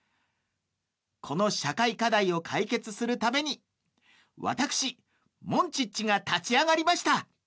この社会課題を解決するために、私、モンチッチが立ち上がりました。